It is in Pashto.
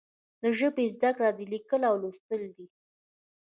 د ژبې زده کړه لیکل او لوستل دي.